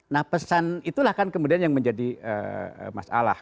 nah pesan itulah kan kemudian yang menjadi masalah